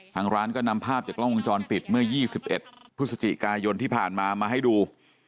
ทางร้านก็นำภาพจากกล้องวงจรปิดเมื่อ๒๑พฤศจิกายนที่ผ่านมามาให้ดู